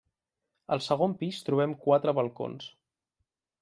Al segon pis trobem quatre balcons.